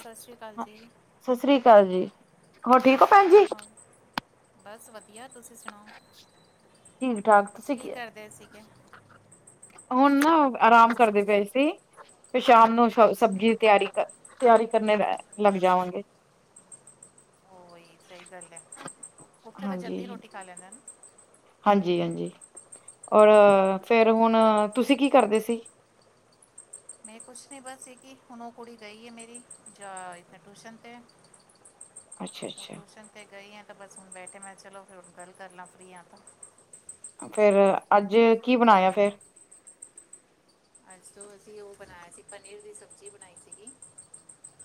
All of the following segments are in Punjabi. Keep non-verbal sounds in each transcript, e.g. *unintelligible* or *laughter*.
ਸਤਿ ਸ਼੍ਰੀ ਅਕਾਲ ਜੀ। ਸਤਿ ਸ੍ਰੀ ਅਕਾਲ ਜੀ, ਹੋਰ ਠੀਕ ਹੋ? ਭੈਣ ਜੀ, ਹਾਂ, ਬਸ ਵਧ ਦਿਆ ਤੁਸੀਂ ਸੁਨਾਓ, ਠੀਕ ਠਾਕ ਤੁਸੀਂ ਕੀ ਕਰਦੇ ਸੀਗੇ? ਹੁਨ ਨਾ ਆਰਾਮ ਕਰਦੇ ਪਏ ਸੀ। ਫੇਰ ਸ਼ਾਮ ਨੂੰ ਸਬ ਅੱਛਾ ਸਬਜੀ ਦੀ ਤਿਆਰੀ-ਤਿਆਰੀ ਕਰਨੇ ਅ ਲੱਗ ਜਾਵਾਂਗੇ। ਓਈ ਸਈ ਗੱਲ ਐ, ਓਥੇ ਤਾਂ ਜਲਦੀ ਰੋਟੀ ਖਾ ਲੈਂਦੇ ਨਾ? ਹਾਂਜੀ-ਹਾਂਜੀ, ਉਹੀ ਅ ਫੇਰ ਉਹ ਹੁਨ ਤੁਸੀਂ ਕੀ ਕਰਦੇ ਸੀ? ਮੈਂ ਕੁਛ ਨਹੀਂ ਬਸ ਇਹ ਕਿ ਹੁਨ ਓ ਕੁੜੀ ਗਈ ਐ ਮੇਰੀ, ਜਾਂ ਟਿਊਸ਼ਨ 'ਤੇ। ਅੱਛਾ, ਓ ਅੱਛਾ ਟਿਊਸ਼ਨ ਤੇ ਗਈ ਆ ਤੇ ਬਸ ਹੁਨ ਮੈਂ ਕਯਾ, ਮੈਂ ਚਲੋ ਫਿਰ ਗੱਲ ਕਰ ਲਾਂ ਫਰੀ ਆ ਤਾਂ। ਫੇਰ ਅੱਜ ਕੀ ਬਨਾਇਆ ਫੇਰ? ਅੱਜ ਤੋਂ ਅਸੀਂ ਓ ਬਨਾਇਆ ਸੀ ਪਨੀਰ ਦੀ ਸਬਜ਼ੀ ਬਨਾਈ ਸੀਗੀ।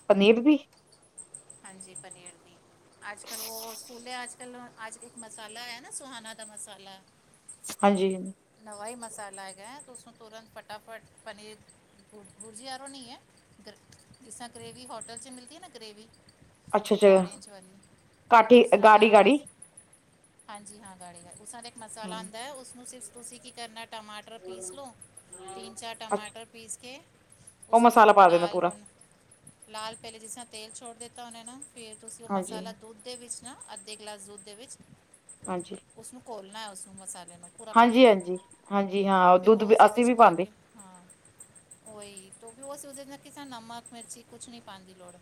ਪਨੀਰ ਵੀ ਹਾਂਜੀ ਪਨੀਰ ਦੀ, ਅੱਜ-ਕੱਲ ਓ ਸਕੂਲੇ ਕੱਲ, ਅੱਜ ਇੱਕ ਮਸਾਲਾ ਐ ਨਾ ਸੁਹਾਨਾਂ ਦਾ ਮਸਾਲਾ। ਹਾਂਜੀ। ਨਵਾ ਈ ਮਸਾਲਾ ਹੈਗਾ ਐ ਤਾਂ ਓਨੂੰ ਤੁਰੰਤ ਫਟਾਫਟ ਪਨੀਰ ਬੁਰਜੀ ਆਰੋਂ ਨਈ ਐ, ਗ ਜਿਸ ਤਰਾਂ ਗ੍ਰੇਵੀ ਹੋਟਲ 'ਚ ਮਿਲਦੀ ਐ ਨਾ ਗ੍ਰੇਵੀ। ਅੱਛਾ, ਅੱਛਾ ਔਰੇਂਜ ਵਾਲੀ, ਕਾਠੀ ਉਸ ਤਰ੍ਹਾਂ ਦਾ ਗਾੜੀ, ਗਾੜੀ ਮਸ ਹਾਂਜੀ ਹਾਂ ਗਾੜੀ ਉਸ ਦਾ ਇੱਕ ਮਸਾਲਾ ਆਂਦਾ ਐ ਉਸਨੂੰ ਸਿਰਫ ਤੁਸੀਂ ਕੀ ਕਰਨਾ ਟਮਾਟਰ ਪੀਸ ਲੋ, ਤਿੰਨ-ਚਾਰ ਅੱਛਾ ਟਮਾਟਰ ਪੀਸ ਕੇ ਉਹ ਉਸਨੂੰ ਮਸਾਲਾ ਪਾ ਦੇਣਾ ਲਾਲ ਪੂਰਾ, ਹੋਨ ਲਾਲ ਪਹਿਲੇ ਜਿਸ ਤਰਾਂ ਤੇਲ ਛੋੜ ਦਿੱਤਾ ਓਨੇ ਨਾ ਫੇਰ ਤੁਸੀਂ ਉਹ ਹਾਂਜੀ, ਮਸਾਲਾ ਦੁੱਧ ਦੇ ਵਿੱਚ ਨਾ ਅੱਧੇ ਗਲਾਸ ਦੁੱਧ ਦੇ ਵਿੱਚ ਹਾਂਜੀ। ਉਸਨੂੰ ਘੋਲ੍ਹਣਾ ਹੈ। ਉਸਨੂੰ ਮਸਾਲੇ ਨੂੰ ਪੂਰਾ ਪੈਕੇਟ ਹਾਂਜੀ-ਹਾਂਜੀ, ਹਾਂਜੀ ਹਾਂਜੀ ਹਾਂ ਫਿਰ ਦੁੱਧ ਉਹ ਵੀ ਉਸਦੇ ਅਸੀਂ ਵਿਚ ਵੀ ਪਾ ਪਾਂਦੇ ਕੇ। ਹਾਂ ਓਹੀ ਕਿਉਂਕੀ ਉਹ ਸੋਚ ਕਿ ਨਮਕ ਮਿਰਚੀ ਕੁਛ ਨੀ ਪਾਣ ਦੀ ਲੋੜ।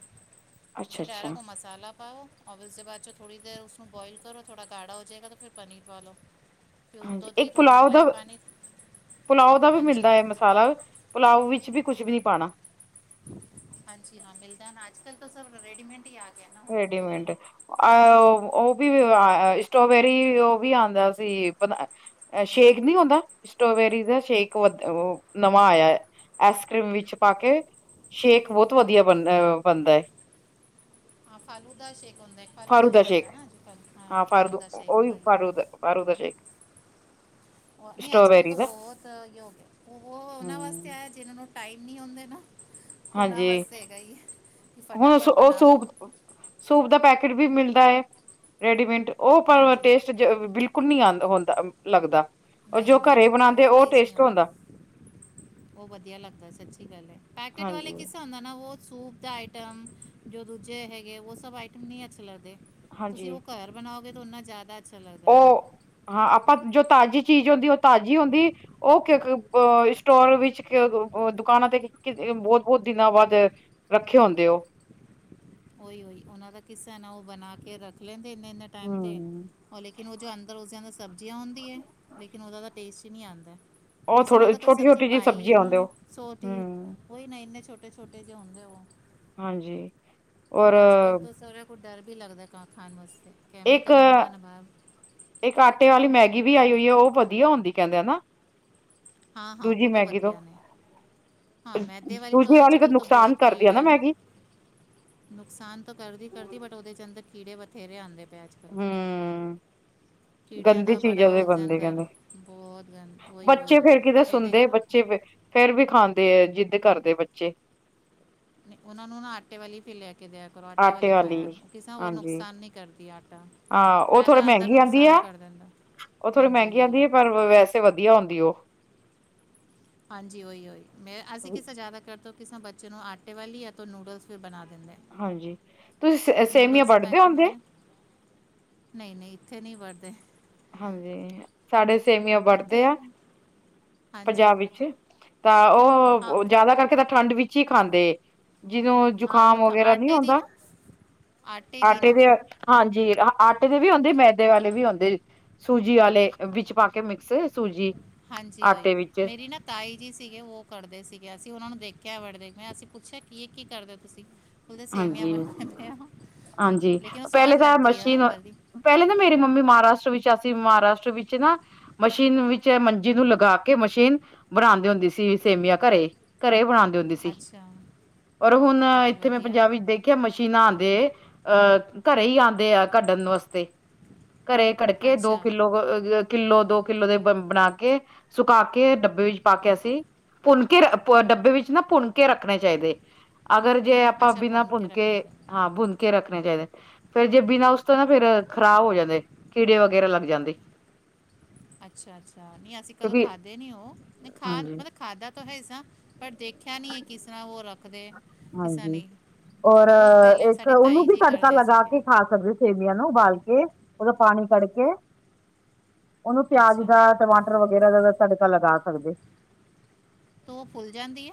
ਅੱਛਾ-ਅੱਛਾ ਸਡੈਰਾ ਘੁੰਮਾ ਸੀ। ਮਸਾਲਾ ਪਾਓ ਔ ਉਸਦੇ ਬਾਅਦ ਚ ਥੋੜ੍ਹੀ ਦੇਰ ਉਸਨੂੰ ਬੋਆਇਲ ਕਰੋ ਥੋੜਾ ਗਾੜਾ ਹੋ ਜਾਵੇਗਾ ਫਿਰ ਪਨੀਰ ਪਾ ਲਓ। ਕਿ ਹਾਂਜੀ ਉੱਤੋਂ ਦੀ ਇੱਕ ਥੋੜੀ ਪੁਲਾਓ ਦਾ ਮਲਾਈ ਪਾਉਣੀ। ਪੁਲਾਓ ਦਾ ਵੀ ਮਿਲਦਾ ਹੈ ਮਸਾਲਾ ਪੁਲਾਓ ਵਿੱਚ ਵੀ ਕੁਝ ਵੀ ਨੀ ਪਾਉਣਾ। ਹਾਂਜੀ ਹਾਂ ਮਿਲਦਾ ਨਾ ਅੱਜ ਕੱਲ ਤਾਂ ਸਬ ਰੇਡੀਮੇਡ ਹੀ ਆ। ਰੇਡੀਮੇਡ। ਅ ਉਹ ਵੀ ਸਟ੍ਰੋਬੇਰੀ ਉਹ ਵੀ ਆਉਂਦਾ ਸੀ। ਐ ਸ਼ੇਕ ਨੀ ਆਉਂਦਾ ਸਟ੍ਰੋਬੇਰੀ ਦਾ ਸ਼ੇਕ ਵ ਨਵਾਂ ਆਇਆ। ਆਈਸ ਕਰ੍ਰੀਮ ਵਿਚ ਪਾ ਕੇ ਸ਼ੇਕ ਬਹੁਤ ਵਧੀਆ ਬਣ ਬਣਦਾ ਹੈ। ਹਾਂ ਫਾਲੂ ਦਾ ਸ਼ੇਕ ਹੁੰਦਾ ਫਾਲੂ ਦਾ ਫਾਰੂ ਵੀ ਸ਼ੇਕ ਆਂਦਾ ਨਾ ਹ ਅੱਜਕਲ ਫਾਲੂ ਦਾ ਸ਼ੇਕ ਓਹੀ। ਆਰੂ ਦਾ ਸ਼ੇਕ *unintelligible* ਨਹੀ ਅਜ ਕਲ ਸਟ੍ਰੋਬੇਰੀ ਤਾਂ ਦਾ ਬਹੁਤ ਹੀ ਹੋਗ ਉਹ ਉਹਨਾ ਵਾਸਤੇ ਹੂੰ ਆ ਜਿਹਨਾ ਨੂੰ। ਟਾਈਮ ਨਹੀ ਹੁੰਦੇ ਨਾ ਉਹਨਾਂ ਹਾਂਜੀ ਵਾਸਤੇ ਹੈਗਾ ਹੀ ਹੈ ਕਿ ਹੁਣ ਉਸ ਫਟਾਫਟ ਉਹ ਬਣਾ ਸੂਪ ਲਓ। ਸੂਪ ਦਾ ਪੈਕਟ ਵੀ ਮਿਲਦਾ ਹੈ। ਰੇਡੀਮੇਟ ਉਹ ਪਰ ਹਾਂਜੀ ਟੇਸਟ ਬਿਲਕੁਲ। ਕੁੁੰਨੀ ਆ ਹੁੰਦਾ ਲੱਗਦਾ ਉਹ ਨਹੀਂ ਜੋ ਨਹੀਂ ਘਰੇ ਬਣਾਉਂਦੇ ਉਹ ਨਹੀਂ ਟੇਸਟ ਆਉਂਦਾ ਹੁੰਦਾ। ਉਹ ਵਧੀਆ ਲੱਗਦਾ ਸਚੀ ਗਲ ਹੈ। ਪੈਕੇਟ ਵਾਲੇ ਹਾਂਜੀ ਕਿ ਉੁਦਾ ਸੂਪ ਦਾ ਆਈਟਮ ਜੋ ਦੂਜੇ ਹੈਗੇ ਉਹ ਸਭ ਆਈਟਮ ਨਹੀ ਅਛੇ ਲੱਗਦੇ ਤੁਸੀ ਹਾਂਜੀ ਉਹ ਘਰ। ਬਣਾਓਗੇ ਤਾਂ ਓੰਨਾ ਜ਼ਿਆਦਾ ਅੱਛਾ ਲੱਗਦਾ। ਉਹ ਉਹ ਹਾਂ ਆਪਾਂ ਜੋ ਤਾਜ਼ੀ ਚੀਜ਼ ਹੁੰਦੀ ਉਹ ਤਾਜ਼ੀ ਹੁੰਦੀ। ਉਹ ਕਿਕ ਅ ਸਟੋਰ ਵਿੱਚ ਦੁਕਾਨਾਂ ਤੇ ਕਿ ਬਹੁਤ ਬਹੁਤ ਦਿਨਾਂ ਬਾਅਦ ਰੱਖੇ ਹੁੰਦੇ ਉਹ ਓਹੀ ਉਈ ਉਹਨਾਂ ਦਾ ਕਿੱਸਾ ਨਾ ਉਹ ਬਣਾ ਕੇ ਰੱਖ ਰ ਲੈਂਦੇ ਇੰਨੇ ਇਨੇ ਟਾਈਮ ਤੇ ਉਹ ਲੇਕਿਨ ਉਹ ਜੋ ਅੰਦਰ ਉਸਦੇ ਅੰਦਰ। ਸਬਜ਼ੀਆਂ ਆਉਂਦੀਆਂ ਹੈ ਲੇਕਿਨ ਉਹਦਾ ਤਾਂ ਟੇਸਟ ਹੀ ਨਹੀਂ ਆਉਂਦਾ। ਉਹ ਪੁਈ ਨਾਲ ਥੋੜੇ ਤਾਂ ਕੋਈ ਛੋਟੀ ਸਬਜ਼ੀ ਛੋਟੀ ਜਿਹੀ ਪਾਈ ਹੀ ਸਬਜ਼ੀਆਂ ਨਈ ਆਉਂਦੇ ਹੈ ਉਹ ਸੋਟੀ। ਕੋਈ ਨਾ ਇੰਨੇ ਛੋਟੇ ਛੋਟੇ ਜੇ ਹੁੰਦੇ। ਹਾਂਜੀ। ਔਰ ਅੱਜ ਕੱਲ੍ਹ ਤਾਂ ਸਾਰਿਆਂ ਕੁ ਡਰ ਵੀ ਲੱਦਾਾ ਖਾਣ ਵਾਸਤੇ। ਇੱਕ ਕੈਮੀਕਲ ਹੁੰਦਾ ਨਾ ਬਾਹਰ ਇੱਕ ਆਟੇ ਵਾਲੀ ਮੈਗੀ ਵੀ ਆਈ ਹੋਈ ਹੈ ਉਹ ਵਧੀਆ ਹੁੰਦੀ ਕਹਿੰਦੇ ਹਨ ਨਾ। ਹਾਂ ਹਾਂ ਦੂਜੀ ਉਹ ਤੋਂ ਮੈਗੀ ਵਧੀਆ ਨੇ। ਹਾਂ ਮੈਦੇ ਵਾਲੀ ਦੂਜੀ ਤੋਂ ਅੱਜ ਤਾਂ ਕੱਲ੍ਹ ਤੋਂ ਨੁਕਸਾਨ ਬਹੁਤ ਕਰਦੀ ਆ ਨਾ ਕੀੜੇ ਨੇ। ਮੈਗੀ ਨੁਕਸਾਨ ਤਾਂ ਕਰਦੀ ਕਰਦੀ ਬਟ ਉਹਦੇ ਚ ਅੰਦਰ ਕੀੜੇ ਬਥੇਰੇ ਆਉਂਦੇ ਪਏ ਅੱਜ ਕੱਲ੍ਹ ਤਾਂ। ਹ। ਹਮ *inaudible* ਕੀੜਿਆਂ ਗੰਦੀ ਦਾ ਚੀਜ਼ਾਂ ਬੜਾ ਦੇ ਉਸਦੇ ਬਣਦੇ ਅੰਦਰ ਕਹਿੰਦੇ ਬਹੁਤ ਗੰਦ ਓਈ ਓਈ ਬੱਚੇ ਹੋਹੀ ਫੇਰ ਕਿਤੇ ਇਹਦੇ ਸੁਣਦੇ ਕਰ। ਬੱਚੇ ਫੇਰ ਵੀ ਖਾਂਦੇ ਆ ਜਿਦ ਕਰਦੇ ਬੱਚੇ। ਉਹਨਾ ਨੂੰ ਨਾ ਆਟੇ ਵਾਲੀ ਫਿਰ ਲੈ ਕੇ ਦਆ ਕਰੋ ਆਟੇ ਵਾਲੀ ਖਾਇਆ ਕਿਸੇ ਹੋਰ ਹਾਂਜੀ ਨੁਕਸਾਨ ਨਹੀ। ਕਰਦੀ ਏ ਆਟਾ। ਹਾਂ ਉਹ ਥੋੜੀ ਮੈਦਾ ਅੰਦਰ ਮਹਿੰਗੀ ਆਉਂਦੀ ਆ ਨੁਕਸਾਨ ਕਰ ਦਿੰਦਾ ਉਹ ਥੋੜੀ ਹਾਂਜੀ ਮਹਿੰਗੀ ਉਹੀ ਆਉਂਦੀ ਹੈ ਪਰ। ਵੈਸੇ ਵਧੀਆ ਹੁੰਦੀ ਏ ਉਹ। ਹਾਂਜੀ ਉਹੀ ਉਹੀ ਮੈ ਅਸੀ ਕਿਸਾਂ ਜਿਆਦਾ ਕਰਦੇ ਕਿਸਾਂ ਬੱਚੇ ਨੂੰ ਆਟੇ ਵਾਲੀ ਜਾਂ ਤੋ ਨੂਡਲਸ ਵੀ ਬਣਾ ਦਿੰਦੇ। ਹਾਂਜੀ ਤੁਸੀਂ ਸ ਸੇਵੀਆਂ ਨੂਡਲਸ ਦੇ ਵੱਟਦੇ ਪੈਕਟ ਹੋਂਦੇ। ਆਉਂਦੇ ਨਹੀਂ ਨਹੀਂ ਇੱਥੇ ਨਹੀਂ ਵੱਟਦੇ। ਹਾਂਜੀ ਸਾਡੇ ਸੇਵੀਆਂ ਇੱਥੇ ਵੜਦੇ ਆ ਹਾਂਜੀ ਪੰਜਾਬ ਵਿੱਚ। ਤਾਂ ਹਾਂ ਉਹ ਜ਼ਿਆਦਾ ਕਰਕੇ ਤਾਂ ਠੰਡ ਵਿਚ ਹੀ ਖਾਂਦੇ ਜਿਵੇ ਉਹ। ਹਾਂ ਜੁਕਾਮ ਤਾਂ ਵਗੈਰਾ ਨਹੀਂ ਆਟੇ ਦੀ ਆਉਂਦਾ ਨਾ ਦੀ ਆਟੇ ਨਾ ਦੇ ਹਾਂਜੀ ਆਟੇ ਦੇ ਵੀ ਆਉਦੇ ਮੈਦੇ ਵਾਲੇ ਵੀ ਆਉਦੇ ਸੂਜੀ ਵਾਲੇ ਵਿਚ ਪਾ ਕੇ ਮਿਕਸ। ਸੂਜੀ ਹਾਂਜੀ ਓਈ ਆਟੇ ਵਿੱਚ ਮੇਰੀ ਨਾ ਤਾਈ ਜੀ ਸੀਗੇ ਉਹ ਕਰਦੇ ਸੀਗੇ ਅਸੀ ਉਹਨਾ ਨੂੰ ਦੇਖਿਆ ਬੜੇ ਦੇਖ ਅਸੀ ਪੁੱਛਿਆ ਕੀ ਕੀ ਕਰਦੇ ਤੁਸੀ। ਖੁਲਦੇ ਸੇਵੀਆਂ ਹਾਂਜੀ ਬਣ ਪ ਹਾਂਜੀ ਲੇਕਿਨ ਉਹ ਸਵਾਦ ਪਹਿਲੇ ਤਾਂ ਲੱਗਦੀ ਆ ਮਸ਼ੀਨ ਵੀ ਪਹਿਲੇ ਤਾਂ ਮੇਰੀ ਮੰਮੀ ਮਹਾਰਾਸ਼ਟਰ ਵਿੱਚ ਆ ਸੀ ਮਹਾਰਾਸ਼ਟਰ ਵਿੱਚ ਨਾ ਮਸ਼ੀਨ ਵਿੱਚ ਮੰਜੀ ਨੂੰ ਲਗਾ ਕੇ ਮਸ਼ੀਨ- ਬਣਾਉਂਦੇ ਹੁੰਦੀ ਸੀ। ਹਾਂਜੀ ਸੇਮੀਆਂ ਘਰੇ ਘਰੇ ਬਣਾਉਂਦੇ ਹੁੰਦੀ ਸੀ ਅੱਛਾ ਔਰ ਹੁਣ ਤਾਂ ਫਿਰ ਮੈਂ ਵਧੀਆ ਪੰਜਾਬ ਵਿੱਚ ਦੇਖਿਆ ਮਸ਼ੀਨਾਂ ਆਉਂਦੇ ਅ ਘਰੇ ਹੀ ਆ ਆ ਕੱਢਣ ਵਾਸਤੇ ਘਰੇ ਕੜਕੇ ਦੋ ਅੱਛਾ ਕਿੱਲੋ ਕਿੱਲੋ ਦੋ ਕਿੱਲੋ ਦੇ ਬ ਬਣਾ ਕੇ ਸੁਕਾ ਕੇ ਡੱਬੇ ਵਿੱਚ ਪਾ ਕੇ ਅਸੀਂ ਭੁੰਨਕੇ ਡੱਬੇ ਵਿੱਚ ਨਾ ਭੁੰਨਕੇ ਰੱਖਣੇ ਚਾਹੀਦੇ ਅਗਰ ਜੇ ਆਪਾਂ ਅੱਛਾ ਬਿਨਾਂ ਭੁੰਨ ਕੇ ਰੱਖਣਾ ਭੁਨਕੇ ਚਾਹੀਦਾ ਹਾਂ ਭੁਨਕੇ ਰੱਖਣੇ ਚਾਹੀਦੇ। ਫੇਰ ਜੇ ਬਿਨਾ ਉਸ ਤੋ ਨਾ ਫੇਰ ਖਰਾਬ ਹੋ ਜਾਦੇ ਕੀੜੇ ਵਗੈਰਾ ਲੱਗ ਜਾਦੇ ਹਮ *unintelligible* ਅੱਛਾ-ਅੱਛਾ ਨਹੀਂ ਅਸੀਂ ਕਦੋਂ ਕਿਉਂਕਿ ਖਾਦੇ ਨੀ ਉਹ ਨਹੀਂ ਖਾ ਹਾਂਜੀ ਮਤਲਬ ਖਾਧਾ ਤਾਂ ਹੈ ਸਾਂ ਪਰ ਦੇਖਿਆ ਨਹੀਂ ਹੈ ਕਿਸ ਤਰ੍ਹਾਂ ਉਹ ਰੱਖਦੇ। ਕਿਸ ਤਰ੍ਹਾਂ ਹਾਂਜੀ, ਨਹੀਂ ਔਰ ਉਹ ਬਹੁਤ ਪਹਿਲੇ ਇੱਕ ਸਾਡੇ ਉਹਨੂੰ ਤਾਈ ਵੀ ਜੀ ਤੜਕਾ ਕਰਦੇ ਲਗਾ ਸੀਗੇ ਕੇ ਖਾ ਸਕਦੇ ਹੋ। ਸੇਵੀਆਂ ਨੂੰ ਉਬਾਲ ਕੇ ਉਹਦਾ ਪਾਣੀ ਕੱਢ ਕੇ ਉਹਨੂੰ ਪਿਆਜ ਅੱਛਾ ਦਾ ਟਮਾਟਰ ਵਗੈਰਾ ਦਾ ਤੜਕਾ ਲਗਾ ਸਕਦੇ। ਉਹ ਫੁੱਲ ਜਾਂਦੀ ਏ।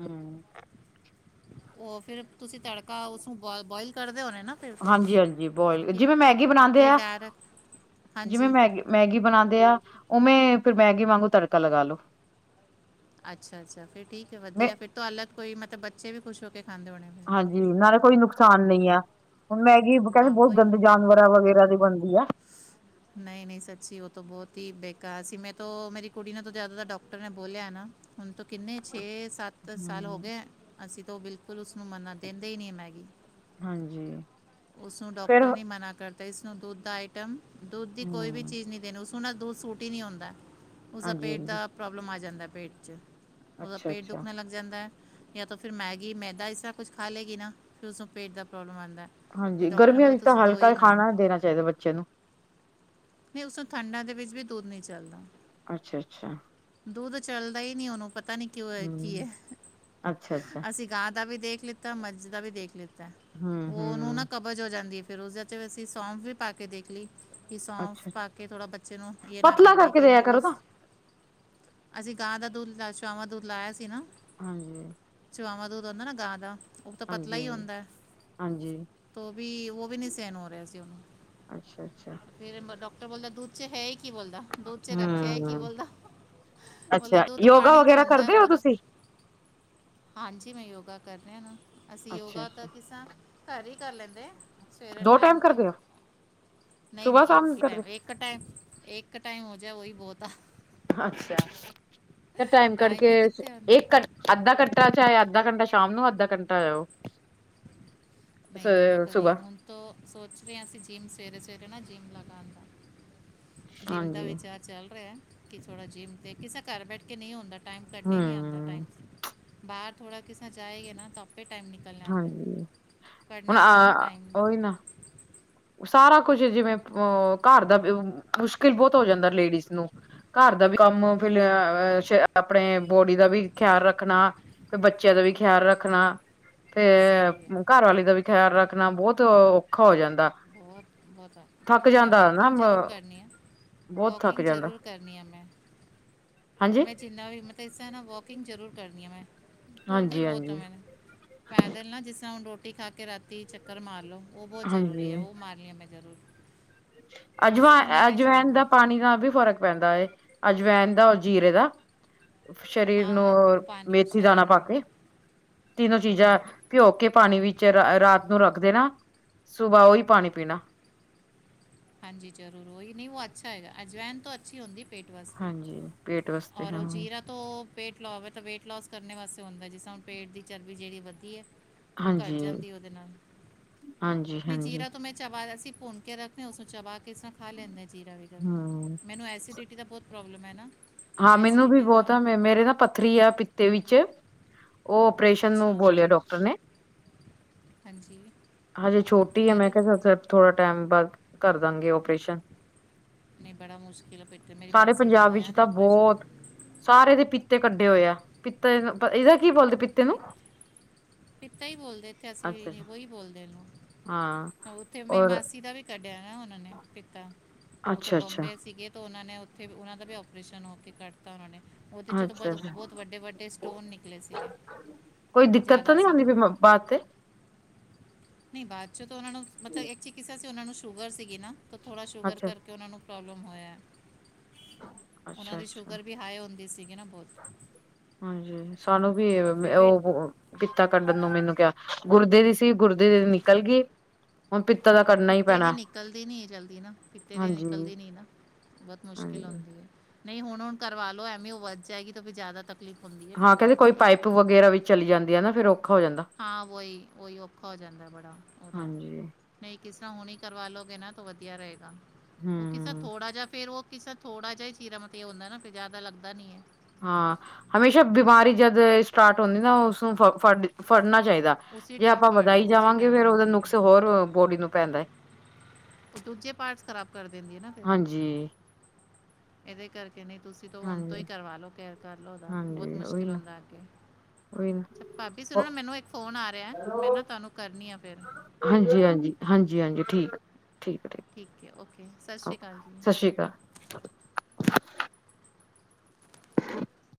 ਹਮ *inaudible* ਉਹ ਫਿਰ ਤੁਸੀਂ ਤੜਕਾ ਉਸਨੂੰ ਬ ਬੋਇਲ ਕਰਦੇ ਹੋਣੇ ਨਾ? ਫਿਰ ਤੋਂ ਹਾਂਜੀ- ਹਾਂਜੀ ਬੋਇਲ ਕਿ ਜਿਵੇ ਮੈਗੀ ਬਣਾਉਦੇ ਕਿ ਆ। ਡਾਇਰੈਕਟ ਜਿਵੇ ਹਾਂਜੀ ਮੈ ਮੈਗੀ ਬਣਾਉਂਦੇ ਆ ਉਵੇਂ ਫਿਰ ਮੈਗੀ ਵਾਂਗੂ ਤੜਕਾ ਲਗਾ ਲੋੋ। ਅੱਛਾ ਅੱਛਾ ਫਿਰ ਠੀਕ ਹੈ। ਮੈਂ ਵਧੀਆ ਫਿਰ ਤੋਂ ਹਲੱਤ ਕੋਈ ਮਤਲਬ ਬੱਚੇ ਵੀ ਖੁਸ਼ ਹੋ ਕੇ ਖਾਂਦੇ ਹੋਣੇ। ਫਿਰ ਜੀ ਨਾਲੇ ਕੋਈ ਨੁਕਸਾਨ ਨਹੀਂ ਆ ਹੁਣ ਮੈਗੀ ਕਹਿੰਦੇ ਹਾਂ ਬਹੁਤ ਗੰਦੇ ਜਾਨਵਰਾਂ ਵਗੈਰਾ ਦੀ ਬਣਦੀ ਆ। ਹ *inaudible* ਨਹੀਂ ਨਹੀਂ ਸੱਚੀ ਉਹ ਤਾਂ ਬਹੁਤ ਹੀ ਬੇਕਾਰ ਸੀ। ਮੈਂ ਤੋਂ ਮੇਰੀ ਕੁੜੀ ਨੂੰ ਤਾਂ ਜ਼ਦ ਡਾਕਟਰ ਨੇ ਬੋਲਿਆ ਹੈ ਨਾ ਹੁਣ ਤੋਂ ਕਿੰਨੇ ਛੇ ਸੱਤ ਤ ਸਾਲ ਹੋ ਹੂੰ, ਗਏ। ਅਸੀਂ ਤਾਂ ਉਹ ਬਿਲਕੁਲ ਉਸਨੂੰ ਮੰਨਾ ਦਿੰਦੇ ਹੀ ਨਹੀਂ ਮੈਂਗੀ। ਹਾਂਜੀ। ਉਸਨੂੰ ਫਿਰ ਡਾਕਟਰ ਵੀ ਮਨਾ ਕਰਦਾ, ਇਸਨੂੰ ਦੁੱਧ ਦਾ ਆਈਟਮ ਦੁੱਧ ਦੀ ਕੋਈ ਵੀ ਹੂੰ, ਚੀਜ਼ ਨੀ ਦੇਣੀ। ਸੁਹਣਾ ਦਾ ਦੁੱਧ ਸੂਟ ਹੀ ਨਹੀਂ, ਆਦਾ ਉਸਦਾ ਪੇਟ ਹਾਂਜੀ-ਹਾਂਜੀ, ਦਾ ਪ੍ਰੋਬਲਮ ਆ ਜਾਂਦਾ ਪੇਟ 'ਚ। ਉਹਦਾ ਪੇਟ ਅੱਛਾ-ਅੱਛਾ। ਦੁੱਖਣਾ ਲ ਜਾਂਦਾ ਏ ਯਾਤਾਂ ਫਿਰ ਮੈਗੀ, ਮੈਦਾ ਇਸ ਤਰ੍ਹਾਂ ਕੁਛ ਖਾ ਲੇਗੀ ਨਾ ਫਿਰ ਉਸਨੂੰ ਪੇਟ ਦਾ ਪ੍ਰੋਬਲਮ ਆਂਦਾ ਹੈ। ਫਿਰ ਹਾਂਜੀ ਡਾਕਟਰ ਨੇ ਗਰਮੀਆਂ ਬੋਲਿਆ ਵਿੱਚ ਤਾਂ ਤੁਸੀਂ ਦੋ ਹਲਕਾ ਹੀ ਨਾ ਖਾਣਾ ਦੇਣਾ ਚਾਹੀਦਾ ਬੱਚਿਆਂ ਨੂੰ ਨਈ ਉਸ ਠੰਡਾਂ ਦੇ ਵਿੱਚ ਵੀ ਦੁੱਧ ਨਈ ਚੱਲਦਾ ਅੱਛਾ, - ਅੱਛਾ। ਦੁੱਧ ਚੱਲਦਾ ਈ ਨਈ ਉਨੂੰ ਪਤਾ ਨੀ ਕਿਉਂ ਏ ਕੀ ਹੂੰ, ਐ ਅੱਛਾ-ਅੱਛਾ, ਅਸੀਂ ਗਾਂ ਦਾ ਵੀ ਦੇਖ ਲਿੱਤਾ, ਮੱਝ ਦਾ ਵੀ ਦੇਖ ਲਿੱਤਾ ਉਹਨੂੰ ਨਾ ਹੂੰ-ਹੂੰ, ਕਬਜ਼ ਹੋ ਜਾਂਦੀ ਐ ਫਿਰ ਉਸਦੇ ਤੇ ਅਸੀਂ ਸੌਂਫ ਵੀ ਪਾ ਕੇ ਦੇਖ ਲਈ ਕਿ ਸੌਂਫ ਅੱਛਾ-ਅੱਛਾ ਪਾ ਕੇ ਥੋੜ੍ਹਾ ਬੱਚੇ ਨੂੰ ਇਹ ਨਾ ਪਤਲਾ ਕਰੇ ਕਰਕੇ ਲੇਕਿਨ ਦਿਆ ਕਰੋ ਉਸ ਨਾ। ਅਸੀਂ ਗਾ ਦਾ ਦੁੱਧ ਲਾ ਚਾਵਾਂ ਦੁੱਧ ਲਾਇਆ ਸੀ ਨਾ ਹਾਂਜੀ। ਚੁਆਵਾਂ ਦੁੱਧ ਹੋਂਦਾ ਨਾ ਗਾ ਦਾ ਉਹ ਤਾਂ ਹਾਂਜੀ, ਹਾਂਜੀ, ਹਾਂਜੀ ਉਹ ਵੀ ਉਹ ਵੀ ਨਈ ਸੇਣ ਹੋ ਰਿਹਾ ਸੀ ਉਨੂੰ ਅੱਛਾ, ਅੱਛਾ। ਫਿਰ ਡੋਕਟਰ ਬੋਲਦਾ ਦੂੱਧ ਚ ਹੈਈ ਕੀ ਬੋਲਦਾ ਦੁੱਧ ਚ ਰੱਖਿਆ ਕੀ ਹੂੰ, ਬੋਲਦਾ ਮੁੱਲ ਅੱਛਾ ਦ ਦੁੱਧ ਯੋਗਾ ਪਾਣੀ ਤੋਂ ਵਗੈਰਾ ਹੁੰਦਾ ਹੈ ਕਰਦੇ ਹੋ ਪੂਰਾ। ਤੁਸੀਂ? ਹਾਂਜੀ ਮੈਂ ਯੋਗਾ ਕਰਨੇਆ ਨਾ ਅਸੀਂ ਅੱਛਾ, ਯੋਗਾ ਤਾਂ ਅੱਛਾ ਕਿਸਾਂ ਘਰ ਈ ਕਰ ਲੈਂਦੇ ਆ। ਸਵੇਰੇ ਦੋ ਟਾਈਮ ਤੇ ਕਰਦੇ ਹੋ? ਨਹੀਂ -ਨਹੀਂ, ਸੁਬਹ ਇੱਕ ਸ਼ਾਮ ਹੀ ਕਰਦੇ, ਟਾਈਮ ਏ ਕੱਟੇ ਏਕ ਕਟਾਏ ਹੋ ਜਾ ਉਹੀ ਬਹੁਤ ਆ। ਅੱਛਾ ਟਾਈਮ ਕਰਕੇ ਹੀ ਕਿੱਥੇ ਹੁੰਦਾ ਘ। ਅੱਧਾ ਘੰਟਾ, ਚਾਹੇ ਅੱਧਾ ਘੰਟਾ ਸ਼ਾਮ ਨੂੰ ਅੱਧਾ ਘੰਟਾ ਆ ਉਹ। ਨਹੀਂ ਉਹ ਤੋਂ ਕਦੀ ਸੁਬਾਹ ਹੁਣ ਤੋਂ ਸੋਚ ਰਹੇ ਹਾਂ। ਅਸੀਂ ਜਿੰਮ ਸਵੇਰੇ ਸਵੇਰੇ ਨਾ ਜਿੰਮ ਲਗਾਉਣ ਦਾ। ਜਿੰਮ ਦਾ ਹਾਂਜੀ, ਵਿਚਾਰ ਚੱਲ ਰਿਯਾ ਕਿ ਥੋੜਾ ਜਿੰਮ ਤੇ ਕਿਸੇ ਘਰ ਬੈਠ ਕੇ ਨਈ ਹੁੰਦਾ ਟਾਈਮ ਕੱਢੇ ਨਹੀਂ ਆਂਦਾ ਹੂੰ, ਟਾਈਮ ਬਾਹਰ ਥੋੜ੍ਹਾ ਕਿਸੇਾਂ ਜਾਏਗਾ, ਨਾ ਤਾਂ ਆਪੇ ਟਾਈਮ ਨਿਕ ਹਾਂਜੀ, ਹੁਣ ਨਾ ਆ ਟਾਈਮ ਓਈ ਨਾ ਸਾਰਾ ਕੁਝ ਜਿਵੇਂ ਅਹ ਘਰ ਦਾ ਮੁਸ਼ਕਿਲ ਬਹੁਤ ਹੋ ਜਾਂਦਾ ਲੇਡੀਜ਼ ਨੂੰ ਘਰ ਦਾ ਵੀ ਕੰਮ ਫ ਬਹੁਤ ਆਪਣੇ ਬੋਡੀ ਦਾ ਵੀ ਖਿਆਲ ਰੱਖਣਾ, ਬੱਚਿਆਂ ਦਾ ਵੀ ਖਿਆਲ ਰੱਖਣਾ ਰ ਸਹੀ ਹੈ ਤੇ ਘਰਵਾਲੀ ਦਾ ਵੀ ਖਿਆਲ ਰੱਖਣਾ ਬਹੁਤ ਔਖਾ ਹੋ ਜਾਂਦਾ। ਬਹੁਤ ਬਹੁਤ ਥੱਕ ਹਾਂ। ਮੈਂ ਜਾਂਦਾ ਨਾ ਵੋਕਿੰਗ ਜ਼ਰੂਰ ਕਰਨੀ ਆ। ਬਹੁਤ ਥੱਕ ਵੋਕਿੰਗ ਜਾਂਦਾ ਜ਼ਰੂਰ ਕਰਨੀ ਆ ਮੈਂ। ਹਾਂਜੀ, ਮੈਂ ਜਿੰਨਾ ਵੀ ਮਤਲਬ ਇਸ ਰ੍ਹਾਂ ਨਾ ਵੋਕਿੰਗ ਜ਼ਰੂਰ ਕਰਨੀ ਆ ਮੈਂ ਤੁਰਦੀ ਹਾਂਜੀ, ਬਹੁਤ ਹਾਂ ਹਾਂਜੀ, ਮੈ ਪੈਦਲ ਨਾ ਜਿਸ ਤਰ੍ਹਾਂ ਹੁਣ ਰੋਟੀ ਖਾ ਕੇ ਰਾਤੀ ਚੱਕਰ ਮਾਰ ਲੋ ਉਹ ਬਹੁਤ ਜ਼ਰੂਰੀ ਹਾਂਜੀ। ਐ। ਉਹ ਮਾਰਨੀ ਆ ਮੈਂ ਜ਼ਰੂਰੀ। ਅਜਵ ਅਜਵੈਨ ਛੱਡਦੀ ਦਾ ਪਾਣੀ ਦਾ ਵੀ ਫ਼ਰਕ ਪੈਂਦਾ ਹੈ ਅਜਵੈਨ ਦਾ ਜੀਰੇ ਦਾ। ਸਰੀਰ ਹਾਂ ਨੂੰ ਹਾਂ ਉਹ ਪਾਣੀ ਮੇਥੀ ਦਾਣਾ ਸਰੀਰ ਪਾ ਨੂੰ ਕੇ ਤਿੰਨੋ ਹਾਂ ਚੀਜ਼ਾਂ ਪਿਓ ਕੇ ਪਾਣੀ ਵਿੱਚ ਰਾਤ ਨੂੰ ਰੱਖ ਦੇਨਾ ਸੁਬਾਹ ਉਹੀ ਪਾਣੀ ਪੀਣਾ। ਹਾਂਜੀ ਜ਼ਰੂਰ ਉਹੀ ਨੀ ਉਹ ਅੱਛਾ ਹੈਗਾ ਅਜਵੈਨ ਤੋਂ ਅੱਛੀ ਹੁੰਦੀ ਪੇਟ ਵਾਸਤੇ ਹਾਂਜੀ ਪੇਟ ਵਾਸਤੇ ਔਰ ਹਾਂ ਉਹ ਜੀਰਾ ਤੋ ਪੇਟ ਲਾ ਤਾਂ ਵੇਟ ਲੋਸ ਕਰਨ ਵਾਸਤੇ ਹੁੰਦਾ ਜਿਸ ਤ ਹੁਣ ਪੇਟ ਦੀ ਚਰਬੀ ਜਿਹੜੀ ਵਧੀ ਏ। ਉਹ ਘੱਟ ਹਾਂਜੀ ਜਾਂਦੀ ਉਹਦੇ ਨਾਲ ਹਾਂਜੀ ਨਹੀਂ ਹਾਂਜੀ ਜੀਰਾ ਤੋਂ ਮੈਂ ਚਬਈ ਸੀ ਭੁੰਨ ਕੇ ਰੱਖ। ਉਸ ਨੂੰ ਚਬਾ ਕੇ ਇਸਾ ਖਾ ਲੈਂਦੇ ਆ ਜੀਰਾ ਵੀ ਗਰਮ ਹਮ ਮੈਨੂੰ ਐਸੀਡੀਟੀ ਦਾ ਬੋਤ ਪ੍ਰੋਬਲਮ ਹੈ ਨਾ ਹਾਂ ਮੈਨੂੰ ਵੀ ਐਸਿਡਿਟੀ ਦਾ ਬਹੁਤਾ ਆ ਮੇਰੇ ਨਾ ਪੱਥਰੀ ਆ ਪਿੱਤੇ ਵਿੱਚ ਉਹ ਓਪਰੇਸ਼ਨ ਅੱਛਾ ਨੂੰ ਬੋਲਿਆ ਡਾਕਟਰ ਨੇ ਹਾਂਜੀ ਹਜੇ ਛੋਟੀ ਆ ਮੈਂ ਫਿਰ ਕਿਹਾ ਥੋੜਾ ਟਾਈਮ ਬਾਅਦ ਕਰ ਦਾਂਗੇ ਓਪਰੇਸ਼ਨ ਨਹੀਂ ਬੜਾ ਮੁਸ਼ਕਿਲ ਬੇਟੇ ਮੇਰੀ ਸਾਰੇ ਮਾਸੀ ਦਾ ਪੰਜਾਬ ਹੋਇਆ ਵਿੱਚ ਤਾਂ ਨਾ। ਆਪਰੇਸ਼ਨ ਬਹੁਤ ਸਾਰੇ ਦੇ ਪੀਤੇ ਕੱਢੇ ਹੋਏ ਆ, ਪਿਤੇ ਇਹਦਾ ਕੀ ਬੋਲਦੇ ਪੀਤੇ ਨੂੰ? ਇੱਦਾਂ ਹੀ ਬੋਲਦੇ ਇੱਥੇ ਅੱਛਾ ਅਸੀਂ, ਅੱਛਾ ਉਹੀ ਬੋਲਦੇ ਹਾਂ ਇਹਨੂੰ ਉੱਥੇ ਮੇਰੀ ਔਰ ਮਾਸੀ ਦਾ ਵੀ। ਕੱਢਿਆ ਨਾ ਉਨਾਂ ਨੇ ਪਿਤਾ ਉੱਥੋਂ ਅੱਛਾ ਅੱਛਾ ਬੌਬੇ ਸੀਗੇ ਤੇ ਉਹਨਾਂ ਨੇ ਉੱਥੇ, ਤੇ ਉਹਨਾਂ ਦਾ ਵੀ ਓਪਰੇਸ਼ਨ ਉੱਥੇ ਕਰਤਾ ਉਹਨਾਂ ਨੇ। ਉਹਦੇ ਚੋਂ ਅੱਛਾ ਬਹੁ ਅੱਛਾ ਬਹੁਤ ਵੱਡੇ- ਵੱਡੇ ਸਟੋਨ ਨੇ। ਮੈਸੇਜ ਹੈ ਕੋਈ ਦਿੱਕਤ ਤਾਂ ਜ਼ਿਆਦਾ ਨਹੀਂ ਆਉਂਦੀ ਸੀਗੀ ਵੀ ਬਾਤ ਤੇ ਨੀ ਬਾਅਦ 'ਚੋਂ ਤਾਂ ਉਹਨਾਂ ਨੂੰ ਮਤਲਬ ਇੱਕ ਕਿੱਸਾ ਸੀ ਉਨਾਂ ਨੂੰ ਸ਼ੂਗਰ ਸੀਗੀ ਨਾ ਤਾਂ ਥੋੜਾ ਸ਼ੂਗਰ ਅੱਛਾ ਕਰਕੇ ਉਨਾਂ ਨੂੰ ਪ੍ਰੋਬਲਮ ਹੋਇਆ ਉਨਾਂ ਅੱਛਾ ਦੀ ਅੱਛਾ ਸ਼ੂਗਰ ਵੀ ਹਾਈ ਹੁੰਦੀ ਸੀਗੀ ਨਾ ਬਹੁਤ- ਹਾਂਜੀ, ਸਾਨੂੰ ਵੀ ਏ ਫਿਰ *unintelligible* ਵੀ ਉਹ। ਪਿੱਤਾ ਕੱਢਣ ਨੂੰ ਮੈਨੂੰ ਕਿਆ ਗੁਰਦੇ ਦੀ ਸੀ ਗੁਰਦੇ ਦੀ ਨਿਕਲ ਗੀ ਉਹ ਪਿੱਤਾ ਤਾਂ ਪਿੱਤੇ ਦੀ ਨਿਕਲਦੀ ਨੀ ਏ ਜਲਦੀ ਨਾ ਪਿੱਤੇ ਦੀ ਹਾਂਜੀ ਨਿਕਲਦੀ ਨੀ ਨਾ ਬਹੁਤ ਮੁਸ਼ਕਿਲ ਹਾਂਜੀ ਹੁੰਦੀ ਹੈ, ਨਹੀਂ ਹੁਣ- ਹੁਣ ਕਰਵਾ ਲਓ ਐਵੇਂ ਉਹ ਵੱਧ ਜਾਏਗੀ ਤਾਂ ਜ਼ਿਆਦਾ ਤੱਕ। ਹਾਂ ਕਹਿੰਦੇ ਕੋਈ ਪਾਈਪ ਵਗੈਰਾ ਵੀ ਚਲੀ ਜਾਂਦੀ ਹੈ, ਨਾ ਫੇਰ ਔਖਾ ਹੋ ਜਾਂਦਾ। ਹਾਂ ਵੋਈ ਉਹੀ ਔਖਾ ਹੋ ਜਾਂਦਾ ਬੜਾ ਉਦਾਂ ਹਾਂਜੀ ਨਹੀਂ ਕਿਸਾਂ ਹੁਣੇ ਹੀ ਕਰਵਾ ਲਉਗੇ ਨਾ ਤਾਂ ਵਧੀਆ ਰਹੇਗਾ, ਉਹ ਕਿਸਰ ਹਮ ਥੋੜ੍ਹਾ ਜਿਹਾ ਫੇਰ ਉਹ ਕਿਸਰ। ਥੋੜਾ ਜਿਹਾ ਹੀ ਚੀਰਾ ਮਤੇ ਆ ਹੁੰਦਾ ਨਾ ਤੇ ਜਿਆਦਾ ਲੱਗਦਾ ਨੀ ਏ। ਹਾਂ ਹਮੇਸ਼ਾ ਬਿਮਾਰੀ ਜਦ ਸਟਾਰਟ ਹੁੰਦੀ ਨਾ ਉਸਨੂੰ ਫੜਨਾ ਚਾਈਦਾ ਉਸੇ ਜੇ ਟਾਈਮ ਆਪਾਂ ਫੜ ਵਧਾਈ ਲਓ ਉਸੇ ਜਾਵਾਂਗੇ ਟਾਈਮ ਫੇਰ ਉਦਾ ਹਾਂਜੀ ਨੁਕਸ ਹੋਰ ਅ ਬੋਡੀ ਨੂੰ ਪੈਂਦਾ ਏ ਉਹ ਦੂਜੇ ਪਾਰਟਸ ਖ਼ਰਾਬ ਕਰ ਦਿੰਦੀ ਹੈ ਨਾ ਫਿਰ, ਹਾਂਜੀ। ਇਹਦੇ ਕਰਕੇ ਨਹੀਂ ਤੁਸੀ। ਹੁਣ ਤੋਂ ਈ ਹਾਂਜੀ ਕਰਵਾ ਲਓ ਕੇਅਰ ਕਰ ਲਓ ਉਦਾ ਬੋਤ ਹਾਂਜੀ ਉਹੀ ਮੁਸ਼ਕਿਲ ਨਾ ਹੁੰਦਾ ਅਗੇ ਉਹੀ ਨਾ ਭਾਬੀ, ਸੁਣੋ ਨਾ ਮੈਨੂੰ ਇੱਕ ਫੋਨ ਆ ਰਿਹੇ, ਮੈਂ ਨਾ ਤੁਹਾਨੂੰ ਕਰਨੀ ਆ ਫੇਰ। ਹਾਂਜੀ, ਹਾਂਜੀ, ਹਾਂਜੀ, ਹਾਂਜੀ ਠੀਕ ਠੀਕ ਅ ਠੀਕ, ਹੈ ਓਕੇ ਸਤਿ ਸ਼੍ਰੀ ਓਕੇ ਅਕਾਲ ਜੀ ਸਤਿ ਸ਼੍ਰੀ ਅਕਾਲ। *unintelligible*